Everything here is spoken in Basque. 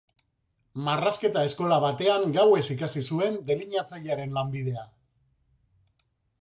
Marrazketa eskola batean gauez ikasi zuen delineatzailearen lanbidea.